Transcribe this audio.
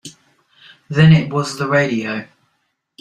Then it was the radio.